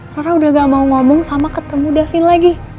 karena udah gak mau ngomong sama ketemu davin lagi